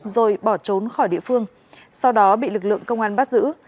rồi bỏ trốn khỏi địa phương sau đó bị lực lượng công an bắt giữ